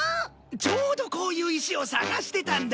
ちょうどこういう石を探してたんだ。